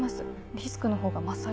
リスクのほうが勝る。